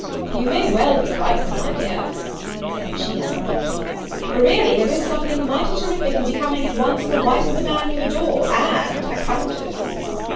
"You may well be frightened, my dear," said she, ironically; "for really there is something mighty terrific in becoming, at once, the wife of the man you adore, and a Countess!"